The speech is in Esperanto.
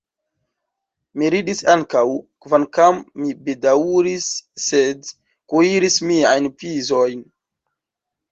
Mi ridis ankaŭ, kvankam mi bedaŭris, sed kuiris miajn pizojn.